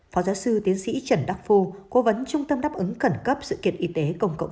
phó giáo sư tiến sĩ trần đắc phu cố vấn trung tâm đáp ứng khẩn cấp sự kiện y tế công cộng